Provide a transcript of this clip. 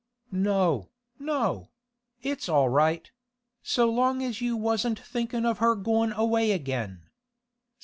'No, no; it's all right; so long as you wasn't thinkin' of her goin' away again.